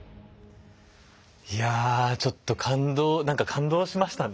いやちょっと感動何か感動しましたね。